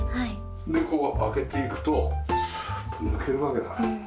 ここを開けていくとスーッと抜けるわけだ。